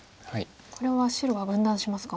これは白は分断しますか？